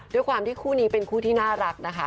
ด้วยความที่คู่นี้เป็นคู่ที่น่ารักนะคะ